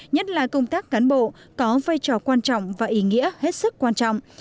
nhất là công tác cán bộ có vai trò quan trọng và ý nghĩa hết sức quan trọng